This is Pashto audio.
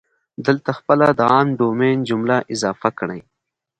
دلته خپله د عام ډومین جمله اضافه کړئ.